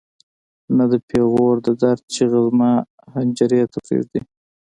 نه د پېغور د درد چیغه زما حنجرې ته پرېږدي.